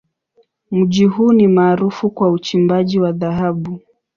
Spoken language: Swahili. Mji huu ni maarufu kwa uchimbaji wa dhahabu.